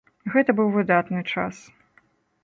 Гэта быў выдатны час.